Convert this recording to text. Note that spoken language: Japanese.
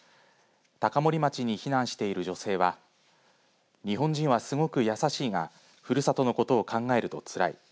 高森町に避難している女性は日本人は、すごくやさしいがふるさとのことを考えるとつらい。